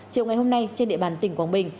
chiều ngày hôm nay trên địa bàn tỉnh quảng bình